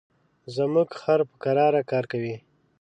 زموږ خر په کراره کار کوي.